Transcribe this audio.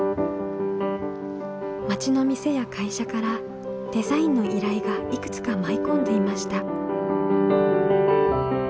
町の店や会社からデザインの依頼がいくつか舞い込んでいました。